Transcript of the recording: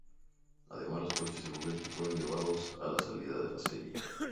Además, los coches de juguete fueron llevados a la salida de la serie.